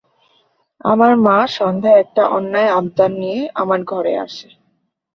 আমার মা সন্ধ্যায় একটা অন্যায় আবদার নিয়ে আমার ঘরে আসে।